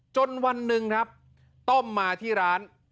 วันหนึ่งครับต้มมาที่ร้าน